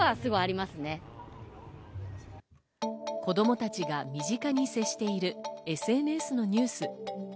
子供たちが身近に接しているＳＮＳのニュース。